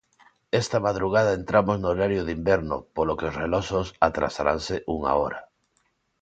Esta madrugada entramos no horario de inverno polo que os reloxos atrasaranse unha hora.